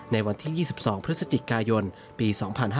ในวันที่๒๒พฤศจิกายนปี๒๕๕๙